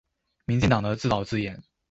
民進黨的自導自演